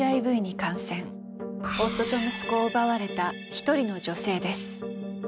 夫と息子を奪われた一人の女性です。